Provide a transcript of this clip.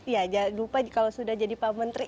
ya jangan lupa kalau sudah jadi pak menteri